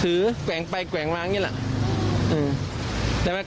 แกว่งไปแกว่งมาอย่างนี้แหละ